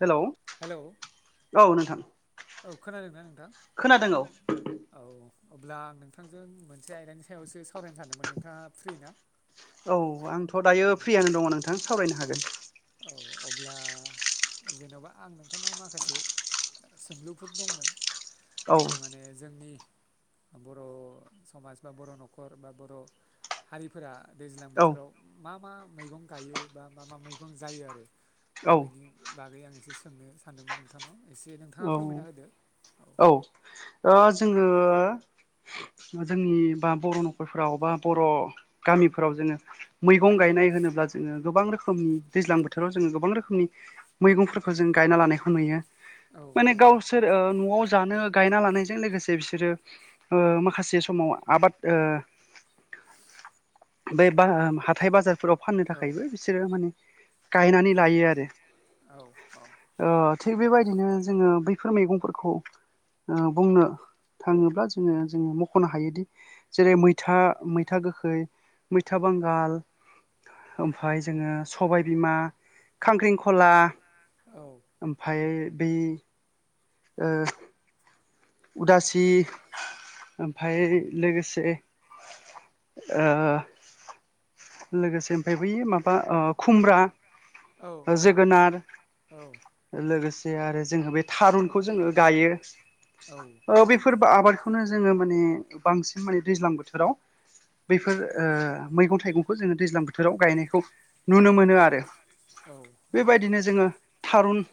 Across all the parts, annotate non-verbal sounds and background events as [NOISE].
हेल'। हेल'। औ नोंथां। औ खोनादों ना नोंथां खोनादों औ खोनादों। औ अब्ला आं नोंथांजों मोनसे आयदानि सायावसो सावरायनो सानमोन नोंथाङा फ्रि ना? औ आंथ' दायो औ फ्रियानो दङ नोंथां सावरायनो हागोन औ अब्ला जेनेबा आं नोंथांनाव माखासे सोमलुफोर दंमोन औ जे माने जोंनि बर' समाज बा बर' न'खर बा बर' हारिफोरा दैज्लां औ बोथोराव मा मा मैगं गायो बा मा मा मैगं जायो आरो दा औ बेनि बागै आं एसे सोंनो सानदोंमोन नोंथांनाव एसे नोंथाङा फोरमायना होदो औ [INAUDIBLE] ओ जोङो जोंनि बा बर' न'खरफ्राव बा बर' गामिफोराव जोङो मैगं गायनाय होनोब्ला जोङो गोबां रोखोमनि दैज्लां बोथोराव जोङो गोबां रोखोमनि मैगंफोरखौ जों गायना लानायखौ नुयो औ माने गावसोर ओ न'आव जानो गायना लानायजों लोगोसे बिसोरो ओ माखासे समाव आबाद ओ बे बा- हाथाय-बाजार फोराव फाननो औ थाखायबो बिसोरो माने गायनानै लायो आरो औ-औ ओ थिग बेबायदिनो जोङो बैफोर मैगंफोरखौ ओ बुंनो थाङोब्ला जोङो जोङो मख'नो हायोदि जेरै मैथा मैथा गोखै मैथा बांगाल ओमफाय जोङो सबायबिमा खांख्रिंखला औ ओमफ्राय बै उदासि ओमफाय औ लोगोसे ओ लोगोसे ओमफ्राय बै माबा ओ खुमब्रा औ जोगोनार लोगोसे आरो जोंहा बे थारुनखौ जोङो गायो बेफोर आबाद खौनो जोङो माने बांसिन माने दैज्लां बोथोराव बैफोर मैगं-थाइगंखौ जोङो दैज्लां बोथोराव गायनायखौ नुनो मोनो आरो बेबायदिनो जोङो थारुन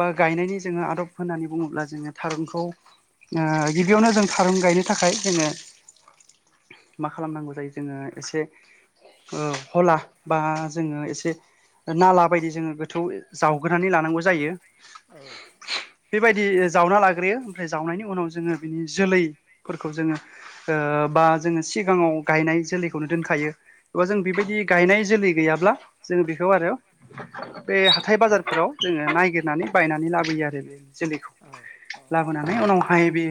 बा गायनायनि जोङो आदब होन्नानै बुङोब्ला जोङो थारुनखौ ओ गिबियावनो जोंङो थारुन गायनो थाखाय जोङो मा खालामनांगौ जायो जोङो एसे ओ हला बा जोङो एसे नाला बायदि जोङो गोथौ जावगोरनानै लानांगौ जायो। बेबायदि जावना लाग्रोयो ओमफ्राय जावनायनि उनाव जोङो बिनि जोलैफोरखौ जोङो ओ बा जोङो सिगाङाव जोलैखौनो दोनखायो। एबा जों बेबायदि गायनाय जोलै गैयाब्ला जों बेखौ आरो बे हाथाय बाजारफोराव जोङो नायागिरनानै बायनानै लाबोयो आरो बे जोलैखौ। औ लाबोनानै उनावहाय बे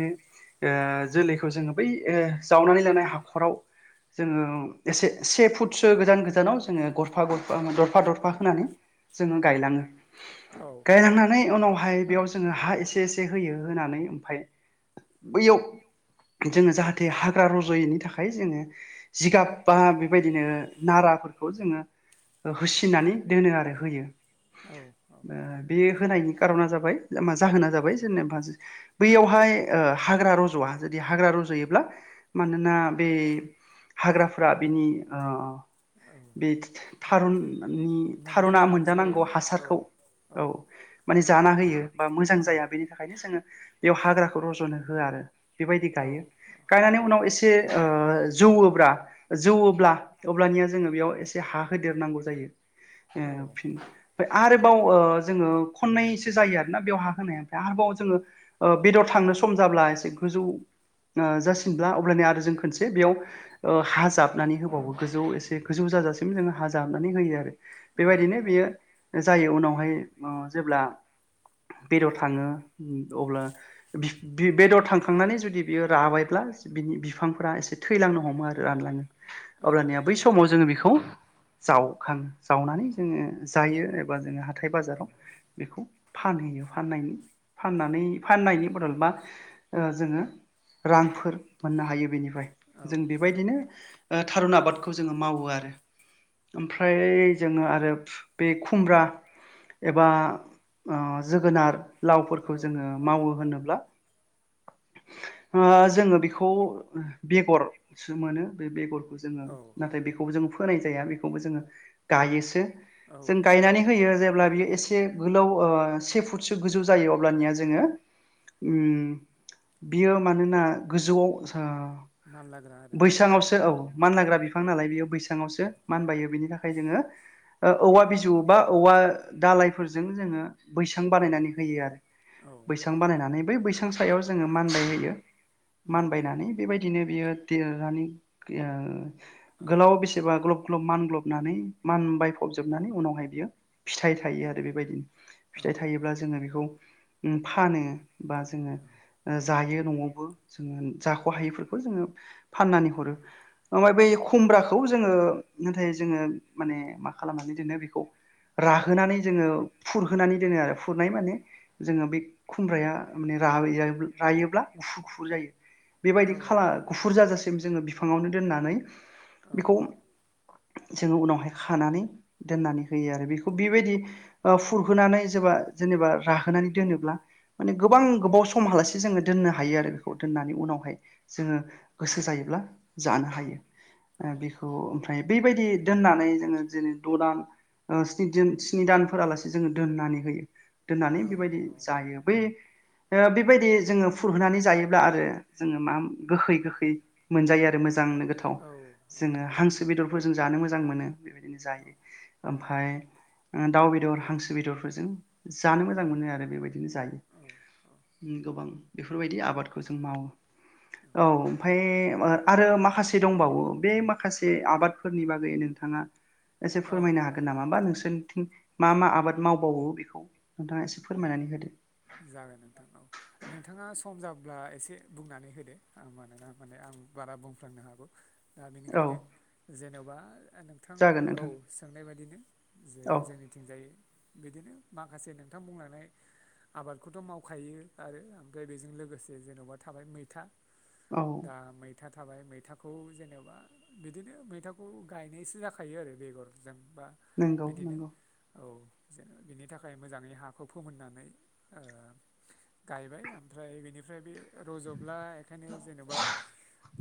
ओ जोलैखौ जोङो बै ओ जावनानै लानाय हाखराव जोंगो एसे से फुटसो गोजान गोजानाव जोङो गरफा-गरफा दरफा-दरफा होनानै जोङो गायलाङो गायलां औ गायलांना नानै उनावहाय बेयाव जोङो हा एसे-एसे होयो होनानै ओमफ्राय बैयाव जोङो जाहाथे हाग्रा रज'यैनि थाखाय जोङो जिगाब बा बेबायदिनो नाराफोरखौ जोङो होसिननानै दोनो आरो होयो। औ-औ बे होनायनि खारना जाबाय मा जाहोना जाबाय जेनेबा बैयावहाय ओ हाग्रा रज'आ जुदि हाग्रा रज'योब्ला मानोना बे हाग्राफोरा बिनि ओ बे थारुननि मोननो थारुना गोनां जे मोनजानांगौ औ हासारखौ औ माने जाना होयो बा मोजां औ जाया बेनि थाखायनो जोङो बेयाव हाग्राखौ रज'नो होआ आरो। बेबायदि औ गायो गायनानै उनाव एसे जौवोब्रा। जौवोब्ला अब्लानिया जोङो बेयाव एसे हा होदेरनांगौ जायो। ए औ फिन ओमफ्राय आरोबाव ओ जोङो खननैसो जायो आरोना बेवहा होनाया आरोबाव जोङो। ओ बेदर थांनो सम जाब्ला एसे गोजौ। ओ जासिनब्ला अबब्लानि आरो जों खनसे बेयाव। ओ हाजाबनानै होबावो गोजौ एसे गोजौ जाजासिम जोङो हााजाबनानै होयो आरो। औ बेबायदिनो बियो जायो उनावहाय जेब्ला बेदर थाङो अब्ला। बेदर थांखांनानै जुदि बियो राबायब्ला। बिनि बिफांफोरा एसे थैलांनो हमो आरो रानलाङो औ अब्लानिया बै समाव जोङो बेखौ। जावखाङो जावनानै जोङो जायो एबा जोङो हाथाय बाजाराव। बेखौ फानहैयो फाननानै फाननायनि बदल बा। ओ जोङो रांफोर मोननो हायो बेनिफ्राय जों बेबायदिनो। ओ थारुन आबादखौ जोङो मावो आरो ओमफ्राय जोङो आरो आरो बे खुमब्रा एबा ओ जोगोनार लावफोरखौ जोङो मावो होनोब्ला ओ जोङो बेखौ बेगरसो मोनो बे बेगरखौ जोङो। नाथाय बेखौबो जों फोनाय जाया बेखौबो जोङो गायोसो। औ जों गायनानै होयो जेब्ला बियो एसे गोलाव ओ से फुटसो गोजौ जायो अब्लानिया जोङो। ओम बियो मानोना गोजौआव। मानलाग्रा। आरोना बे बैसांआवसो औ मैगङा मान औ लाग्रा बिफां नालाय बेयो औ बैसांआवसो मान बायो बिनि थाखाय जोङो। ओ औवा बिजौ बा औवा दालायफोरजों जोङो बैसां उम बानायनानै होयो आरो औ बैसां बानायनानै बै बैसां सायाव जोङो मानबाय होयो। उम उम मानबायनानै बेबायदिनो बियो देरनानै। औ गोलाव बेसेबा ग्लब ग्लब मानलबनानै मान बाय फबजोबनानै उनावहाय बियो फिथाइ थायो आरो बेबायदिनो औ फिथाइ थायोब्ला जोङो बेखौ। ओ फानो बा जोङो। ओ जायो न'आवबो जोङो जाख'हायैफोरखौ जोङो फाननानै हरो। ओमफ्राय बै खुमब्राखौ जोङो नाथाय जोङो माने मा खालामनानै दोनो बेखौ। राहोनानै जोङो फुरहोनानै दोनो आरो फुरनाय माने। जोङो बे खुमब्राया माने रायो रायोब्ला गुफु गुफु जायो। बेबायदि खाला गुफुर जाजासिम जोङो बिफाङावनो दोननानै। औ बेखौ जोङो उनावहाय खानानै दोननानै होयो आरो बेखौ बेबायदि। ओ फुरहोनानै जेबा जेनेबा राहोनानै दोनोब्ला। माने गोबां गोबाव समहालासे जोङो दोननो हायो आरो बेखौ दोननानै उनावहाय। जोङो गोसो जायोब्ला जानो हायो। बेखौ ओमफ्राय बेबायदि दोननानै जोङो दिनै। द' दान् ओ स्नि जोन स्नि दानफोरालासे जोङो दोननानै होयो। दोननानै औ बेबायदि औ जायो बै। ओ बेबायदि जोङो फुरहोनानै जायोब्ला आरो जोङो मा गोखै गोखै। मोजांनो आरो मोजां नो गोथाव औ औ जोङो हांसो बेदरफोर जों जानो मोजां मोनो बेबायदिनो जायो। ओमफ्राय दाउ बेदर हांसो बेदरफोरजों जानो मोजां मोनो आरो बेबायदिनो जायो गोबां बेफोरबायदि आबादखौ जों मावो औ ओमफ्राय आरो माखासे दंबावो बे माखासे आबाद फोरनि बागै नोंथाङा एसे फोरमायनो हागोन हागोन नामा होमबा नोंसोरनिथिं मा मा आबाद मावबावो बेखौ नोंथाङा एसे फोरमायनानै होदो। जागोन नोंथां औ नोंथाङा सम जाब्ला एसे बुंनानै होदो मानोना माने आं बारा बुंफ्लांनो हागौ। दा औ बेनिखायनो जेन'बा नोंथां जागोन औ नोंथां सोंनाय बायदिनो जे औ जोंनिथिंजायै बिदिनो माखासे नोंथां बुंलायनाय आबादखौथ' मावखायो आरो ओमफ्राय बेजों लोगोसे जेन'बा थाबाय मैथा औ दा मैथा थाबाय मैथाखौ जेनेबा बिदिनो मैथाखौ गायनायसो जाखायो आरो बेगरजोंबा नंगौ बिदिनो नंगौ औ जे बिनि थाखाय मोजाङै हाखौ फोमोननानै ओ गायबाय ओमफ्राय बिनिफ्राय बे रज'ब्ला बेखायनो जेनेबा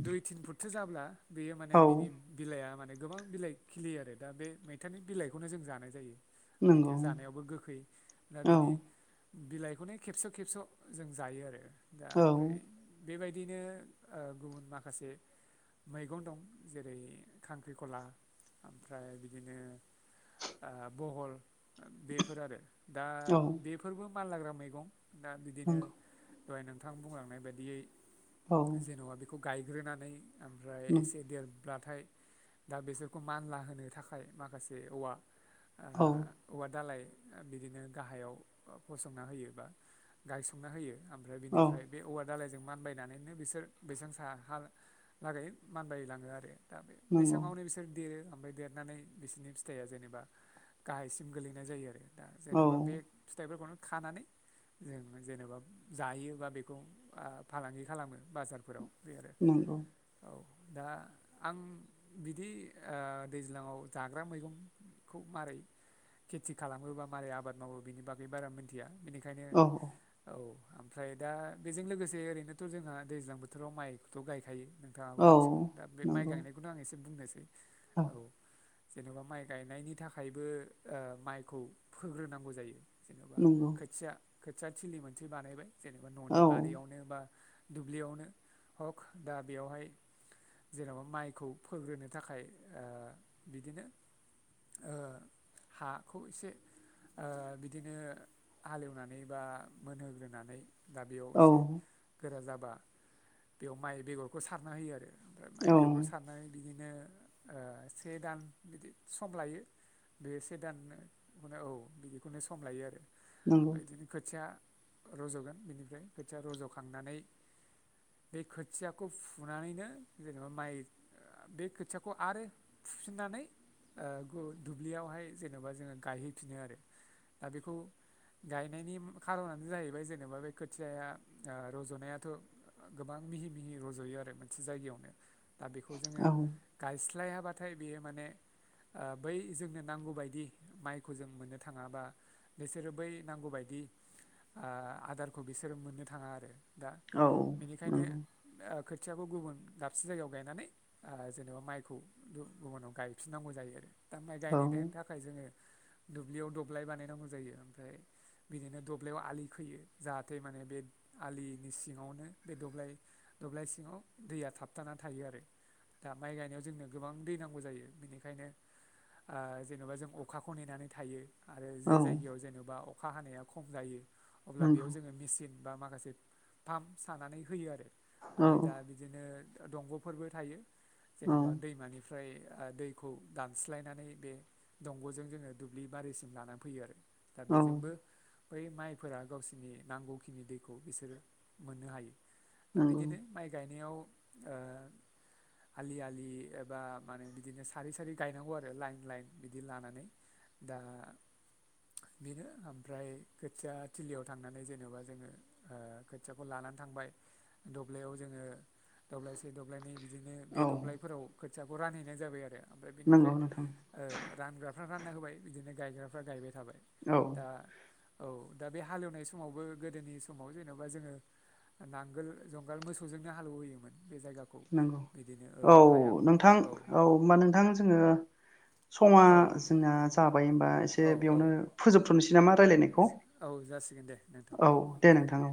दुइ तिन फुटसो जाब्ला बेयो माने औ बिनि बिलाइआ माने गोबां बिलाइ खिलियो आरो दा बे मैथानि बिलाइखौनो जों जानाय जायो। नंगौ मैथाया जानायावबो गोखै दा औ बिनि बिलाइखौनो खेबस' खेबस' जों जायो आरो दा औ ओमफ्राय बेबायदिनो ओ गुबुन माखासे मैगं दं जेरै खांख्रिखला ओमफ्राय बिदिनो ओ बहल बेफोर आरो दा औ बेफोरबो माल लाग्रा मैगं दा बिदिनो नंगौ दहाय नोंथां बुंलांनाय बायदियै औ जेन'बा बेखौ गायग्रोनानै ओमफ्राय एसे देरब्लाथाय दा बेसोरखौ मानला होनो थाखाय माखासे औवा आ औ औवा दालाय बिदिनो गाहायाव फसंना होयो बा गायसंना होयो ओमफ्राय औ बिनिफ्राय बे औवा दाालायजों मानबायनानैनो बिसोर बेसेबां स हालागै मानबायलाङो आरो दा बे नंगौ बैसाङावनो बिसोर देरो ओमबाय देरो खारनानै बिसोरनि फिथाइया जेनेबा गाहायसिम गोलैनाय जायो आरो दा औ जेन'बा बे फिथाइफोरखौनो खानानै जों जेनेबा जायो बा बेखौ आ फालांगि खालामो बाजारफोराव बे आरो नंगौ औ दा आं बिदि ओ दैज्लाङाव जाग्रा मैगंखौ मारै खिथि खालामोबा मारै आबाद मावो बिनि बारा मिथिया बेनिखायनो औ औ ओमफ्राय दा बेजों लोगोसे ओरैनोथ' जोंहा दैज्लां बोथोराव माइखौथ' गायखायो नों नोंथाङाबो औ मिथिगौ दा बे माइ नंगौ गायनायखौनो आं एसे बुंनोसै औ जेनेबा माइ गायनायनि थाखायबो माइखौ फोग्रोनांगौ जायो जेनेबा नंगौ खोथिया खोथिया थिलि मोनसे बानायबाय जेनेबा न'नि औ बारियावनो बा दुब्लियावनो हक दा बेयावहाय जेन'बा माइखौ फोग्रोनो थाखाय ओ बिदिनो ओ हाखौ एसे ओ बिद दिनो हालेवनानै बा मोनहोग्रोनानै दा बेयाव औ एसे गोरा जाबा बेयाव माइ बेगरखौ सारना होयो आरो ओमफ्राय माइ बेगरखौ सारनाय बिदिनो से दान बिदि सम लायो बे से दान औ बिदिखौनो सम लायो आरो नंगौ ओमफ्राय बिदिनो खोथिया रज'गोन बिनिफ्राय खोथिया रज'खांनानै बे खोथियाखौ फुनानैनो जेनेबा माइ बे खोथियाखौ आरो फुफिननानै ओ दुब्लियावहाय जेनेबा जोङो गायहैफिनो आरो दा बेखौ गायनायनि खारनानो जाहैबाय जेनेबा बे खोथियाया रज'नायाथ' गोबां मिहि मिहि रज'यो आरो मोनसे जायगायावनो दा बेखौ औ नंगौ जोङो औ गायस्लाय हाब्लाथाय बेयो माने बै जोंनो नांगौबायदि माइखौ जों मोननो थाङाबा बिसोरो बै नांगौबायदि आदारखौ बिसोरो मोननो थाङा आरो दा औ बेनिखायनो नंगौ खोथियाबो गुबुन दाबसे जायगायाव गायनानै ओ जेनेबा माइखौ गुबुनाव गायफिननांगौ जायो आरो दा माइ गायनाय थाखाय जोङो दुब्लियाव दब्लाय बानायनांगौ जायो ओमफ्राय बिदिनो दब्लयाव आलि खोयो जाहाथे माने आलिनि सिङावनो दब्लाय दब्लाय सिङाव दैया थाबथानानानै थायो आरो दा माइ गायनायाव जोंनो गोबां दै नांगौ जायो बेनिखायनो ओ जेन'बा जोंङो अखाखौ नेनानै थायो आरो औ जे जायगायाव जेन'बा अखा हानाया खम जायो अब्ला बेयाव जोङो मेचिन बा माखासे फाम्प सानानै होयो औ ओमफ्राय दा बिदिनो दंग'फोरबो थायो जेनेबा दैमानि ओमफ्राय दैखौ दानस्लायनानै बे दंग'जों जोङो दुब्लि बारिसिम लानानै फैयो आरो दा बेजोंबो बै माइफोरा गावसिनि नांगौखिनि दैखौ बिसोरो मोननो हायो दा नंगौ बिदिनो माय गायनायाव ओ आलि आालि एबा माने बिदिनो सारै सारै गायनांगौ आरो लाइन लाइन बिदि लानानै। दा बेनो ओमफ्राय खोथिया थिलियाव थांनानै जेनेबा जोङो ओ खोथियाखौ लानानै थांबाय दब्लायाव जोङो दब्लायसे दब्लायनै बिदिनो बे औ दब्लायफोराव खोथियाखौ रानहैनाय जाबाय आरो ओमफ्राय नंगौ बेनिफ्राय नोंथां ओ रानग्राफ्रा रानना होबाय बिदिनो गायग्राफ्रा गायबाय थाबाय। औ दा औ दा बे हालेवनाय समावबो गोदोनि समाव जेन'बा जोङो नांगोल जंगाल मोसौजोंनो हालेव होयोमोन बे जायगाखौ। नों बिदिनो ओ औ हाया नोंथां औ होमबा नोंथां जोङो समा औ जोंना जाबाय होनबा एसे औ औ बेयावनो फोजोबथ'नोसै नामा रायज्लायनायखौ औ जासिगोन दे नोंथां औ दे गोजोन्थों नोंथां औ।